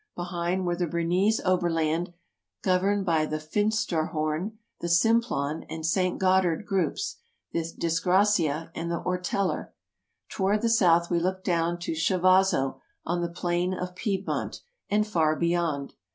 Behind were the Bernese Oberland, governed by the Finsteraarhorn, the Simplon and St. Goth ard groups, the Disgrazia and the Orteler. Toward the south we looked down to Chivasso on the plain of Piedmont, and far beyond.